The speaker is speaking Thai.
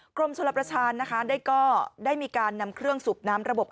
กรมชลประธานนะคะได้ก็ได้มีการนำเครื่องสูบน้ำระบบ